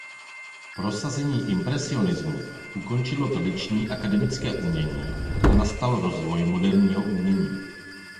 Prosazení impresionismu ukončilo tradiční akademické umění a nastal rozvoj moderního umění.